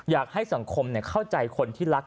อยากให้สังคมเข้าใจคนที่รัก